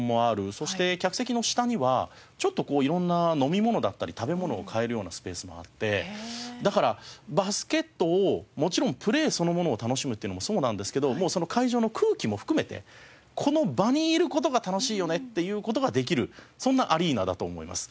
そして客席の下には色んな飲み物だったり食べ物を買えるようなスペースもあってだからバスケットをもちろんプレーそのものを楽しむっていうのもそうなんですけどその会場の空気も含めてこの場にいる事が楽しいよねっていう事ができるそんなアリーナだと思います。